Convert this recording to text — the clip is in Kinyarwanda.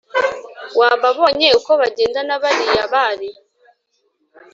wababonye uko bagendaga bariya bari?